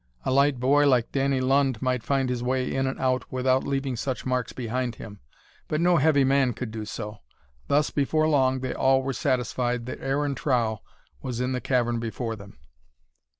A light boy like Danny Lund might find his way in and out without leaving such marks behind him, but no heavy man could do so. Thus before long they all were satisfied that Aaron Trow was in the cavern before them.